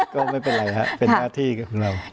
ก็ไม่เป็นไรเป็นหน้าที่ครับของเรา